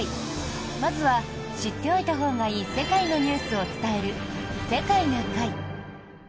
まずは、知っておいたほうがいい世界のニュースを伝える「世界な会」。